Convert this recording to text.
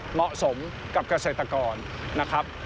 เหมาะสมกับเกษตรกรนะครับ